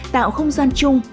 tạo không gian chung